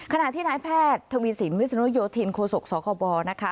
ขณะที่นายแพทย์ทวีสินวิศนุโยธินโคศกสคบนะคะ